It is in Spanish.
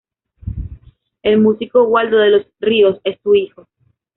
El músico Waldo de los Ríos es su hijo.